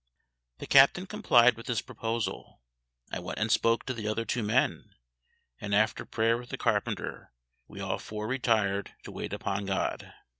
The captain complied with this proposal. I went and spoke to the other two men, and after prayer with the carpenter we all four retired to wait upon GOD.